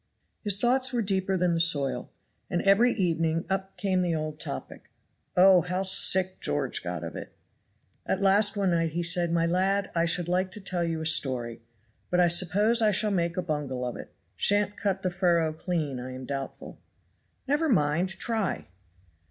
His thoughts were deeper than the soil. And every evening up came the old topic. Oh! how sick George got of it. At last one night he said: "My lad, I should like to tell you a story but I suppose I shall make a bungle of it; shan't cut the furrow clean I am doubtful." "Never mind; try!"